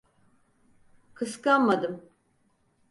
Kıskanmadım.